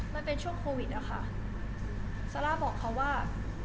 มันเป็นช่วงโควิดอะค่ะซาร่าบอกเขาว่า